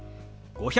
「５００」。